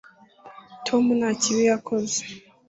tom nta kibi yakoze